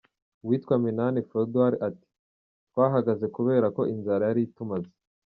Uwitwa Minani Froduard ati: “Twahagaze kubera ko inzara yari itumaze.